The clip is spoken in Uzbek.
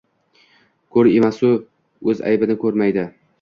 Ko’r emasu o’z aybini ko’rmaydi.